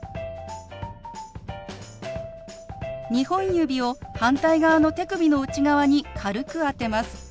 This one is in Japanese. ２本指を反対側の手首の内側に軽く当てます。